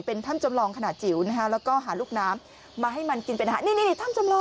เป็นถ้ำจำลองขนาดจิ๋วแล้วก็หาลูกน้ำมาให้มันกินเป็นอาหาร